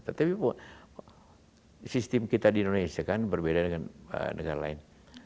tetapi sistem kita di indonesia kan berbeda dengan negara lain